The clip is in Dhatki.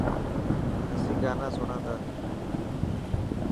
اسين گانا سڻان پيا.